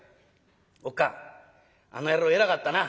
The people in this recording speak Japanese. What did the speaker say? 「おっ母ぁあの野郎偉かったな」。